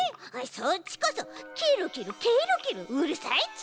そっちこそ「ケロケロケロケロ」うるさいち！